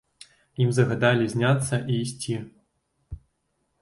Ім загадалі зняцца і ісці.